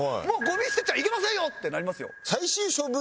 もうゴミ捨てちゃいけませんよってなりますよ。